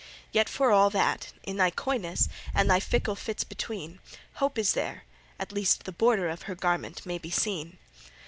Yet for all that, in thy coyness, And thy fickle fits between, Hope is there at least the border Of her garment may be seen.